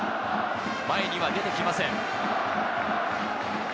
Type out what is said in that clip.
前には出てきません。